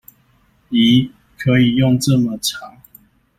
疑！可以用這麼長